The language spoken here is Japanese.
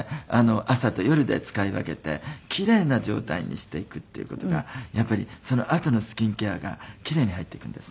朝と夜で使い分けて奇麗な状態にしていくっていう事がやっぱりそのあとのスキンケアが奇麗に入っていくんですね。